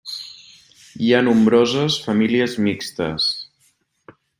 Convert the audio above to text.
Hi ha nombroses famílies mixtes.